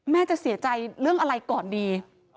จะเสียใจเรื่องอะไรก่อนดี